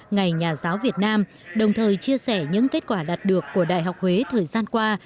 ngày nhà giáo việt nam đồng thời chia sẻ những kết quả đạt được của đại học huế thời gian qua